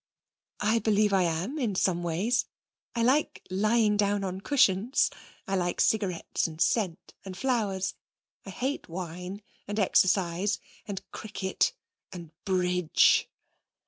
'I believe I am, in some ways. I like lying down on cushions. I like cigarettes, and scent, and flowers. I hate wine, and exercise, and cricket, and bridge.'